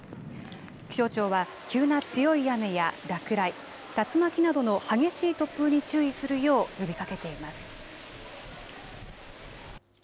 気象庁は急な強い雨や落雷竜巻などの激しい突風に注意するよう呼びかけています。